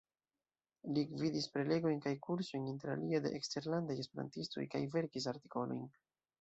Li gvidis prelegojn kaj kursojn, interalie de eksterlandaj esperantistoj, kaj verkis artikolojn.